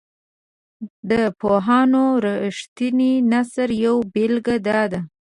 د پوهاند رښتین د نثر یوه بیلګه داده.